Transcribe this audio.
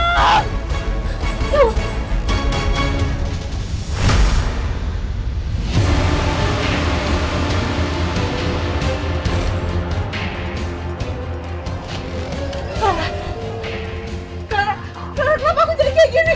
kara kenapa aku jadi kayak gini